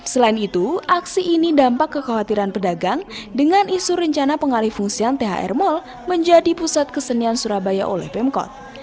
selain itu aksi ini dampak kekhawatiran pedagang dengan isu rencana pengalih fungsian thr mal menjadi pusat kesenian surabaya oleh pemkot